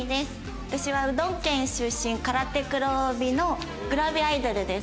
私はうどん県出身空手黒帯のグラビアアイドルです。